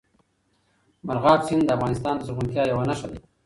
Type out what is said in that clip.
مورغاب سیند د افغانستان د زرغونتیا یوه نښه ده.